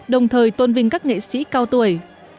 đồng thời tôn vinh các nghệ sĩ cao tuổi